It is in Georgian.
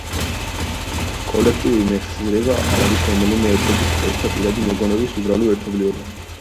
კოლექტიური მეხსიერება არ არის რომელიმე ერთობის წევრთა პირადი მოგონებების უბრალო ერთობლიობა.